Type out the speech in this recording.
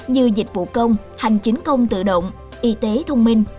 như dịch vụ công hành chính công tự động y tế thông minh